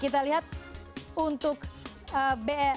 kita lihat untuk be